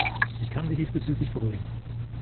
Ich kann Sie diesbezüglich beruhigen.